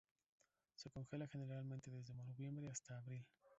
Se congela generalmente desde noviembre hasta abril.